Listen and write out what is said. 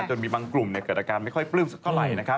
จนมีบางกลุ่มเกิดอาการไม่ค่อยปลื้มสักเท่าไหร่นะครับ